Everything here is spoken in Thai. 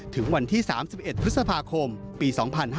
ถึงวันที่๓๑พฤษภาคมปี๒๕๕๙